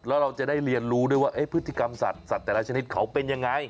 แล้วเราจะได้เรียนรู้ด้วยว่าพฤติกรรมสัตว์แต่ละชนิดเขาเป็นยังไง